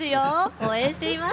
応援しています。